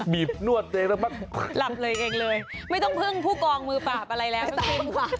บีบนวดเองแล้วปั๊บหลับเลยเองเลยไม่ต้องเพิ่งผู้กองมือปราบอะไรแล้ว